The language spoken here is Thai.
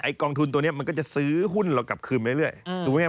ไอ้กองทุนตัวนี้มันก็จะซื้อหุ้นเรากลับคืนเรื่อย